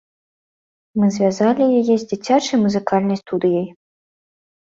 Мы звязалі яе з дзіцячай музыкальнай студыяй.